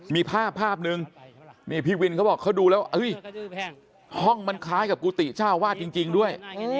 มีภาพภาพนึงนี่พี่วินเขาบอกเขาดูแล้วห้องมันคล้ายกับกุฏิเจ้าวาดจริงด้วย